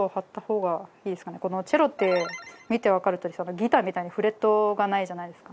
チェロって見てわかるとおりギターみたいにフレットがないじゃないですか。